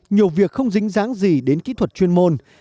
nhiều việc không dính dáng gì đến kỹ thuật chuyên môn